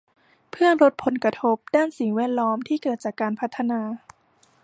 เพื่อลดผลกระทบด้านสิ่งแวดล้อมที่เกิดจากการพัฒนา